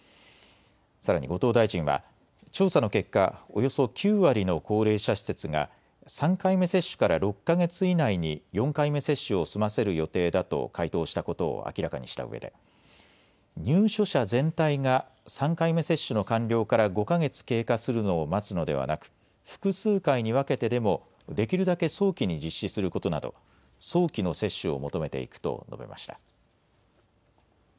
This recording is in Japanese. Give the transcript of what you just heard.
さらに後藤大臣は調査の結果、およそ９割の高齢者施設が３回目接種から６か月以内に４回目接種を済ませる予定だと回答したことを明らかにしたうえで、入所者全体が３回目接種の完了から５か月経過するのを待つのではなく複数回に分けてでも、できるだけ早期に実施することなど早期の接種を求めていくと述べました。